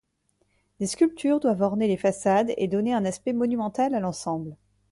Des sculptures doivent orner les façades et donner un aspect monumental à l'ensemble.